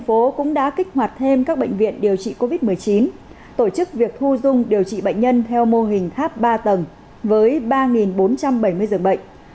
thành phố cũng đã kích hoạt thêm các bệnh viện điều trị covid một mươi chín tổ chức việc thu dung điều trị bệnh nhân theo mô hình tháp ba tầng với ba bốn trăm bảy mươi giường bệnh